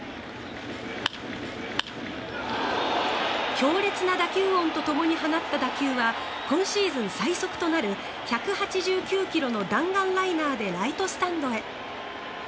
強烈な打球音とともに放った打球は今シーズン最速となる１８９ｋｍの弾丸ライナーでライトスタンドへ。